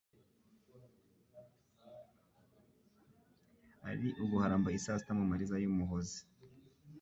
Ari uguharamba isata Mu mariza y' Umuhozi